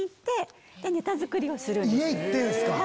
家行ってるんですか。